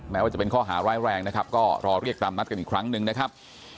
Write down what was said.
แม้ว่าจะเป็นข้อหาร้ายแรงนะครับก็รอเรียกตามนัดกันอีกครั้งหนึ่งนะครับ